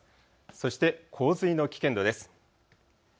そして洪水の危険度です。